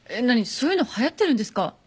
そういうのはやってるんですか？